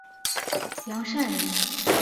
杨善人。